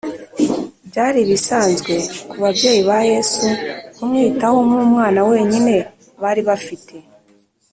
Byari ibisanzwe ku babyeyi ba Yesu kumwitaho nk’umwana wenyine bari bafite.